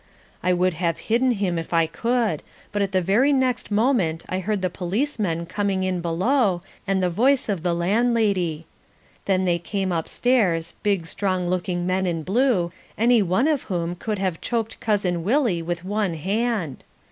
I would have hidden him if I could, but at the very next moment I heard the policemen coming in below, and the voice of the landlady. Then they came upstairs, big strong looking men in blue, any one of whom could have choked Cousin Willie with one hand.